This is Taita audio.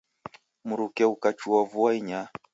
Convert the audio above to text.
Mruke ghukachua vua inyaa.